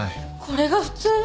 これが普通？